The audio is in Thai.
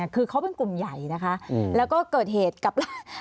คือเขาเป็นกลุ่มใหญ่นะคะแล้วก็เกิดเหตุกับร่าง